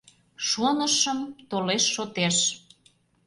Шонышым: толеш шотеш –